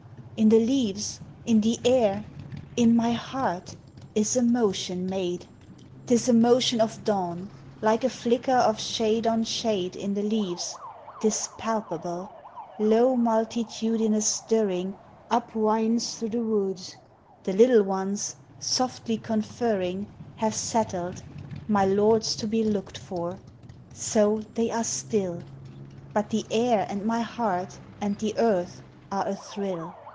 In the leaves? in the air? TREES: FLOWERS: PLANTS. 261 In my heart? is a motion made: 'T is a motion of dawn, like a flicker of shade on shade In the leaves, 'tis palpable; low multitudinous stirring Upwinds through the woods; the little ones, softly conferring, Have settled, my lord 's to be looked for; so; they are still ; But the air and my heart and the earth are a thrill.